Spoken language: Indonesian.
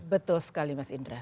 betul sekali mas indra